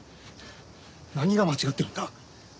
何が間違ってるんだ？